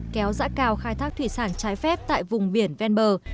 kéo dã cào khai thác thủy sản trái phép tại vùng biển ven bờ